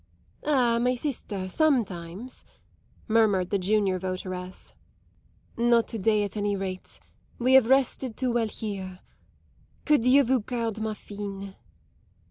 "Ah, my sister, sometimes," murmured the junior votaress. "Not to day, at any rate. We have rested too well here. _Que Dieu vous garde, ma fille.